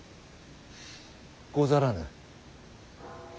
ござらぬ。